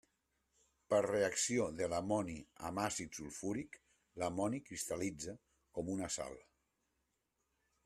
Per reacció de l'amoni amb àcid sulfúric l'amoni cristal·litza com una sal.